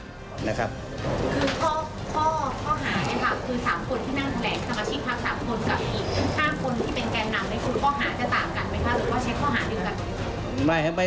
ส่วนต่างกระโบนการ